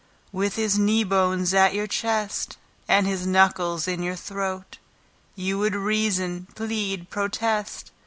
With his kneebones at your chest, And his knuckles in your throat, You would reason plead protest!